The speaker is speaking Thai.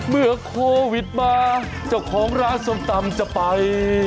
เมื่อโควิดมาเจ้าของร้านส้มตำจะไป